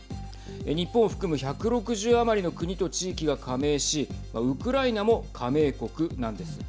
日本含む１６０余りの国と地域が加盟しウクライナも加盟国なんです。